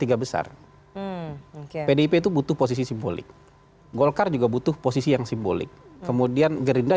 tiga besar pdip itu butuh posisi simbolik golkar juga butuh posisi yang simbolik kemudian gerinda